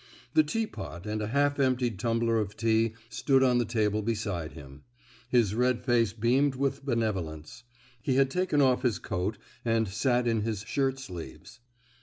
The teapot and a half emptied tumbler of tea stood on the table beside him; his red face beamed with benevolence. He had taken off his coat, and sat in his shirt sleeves.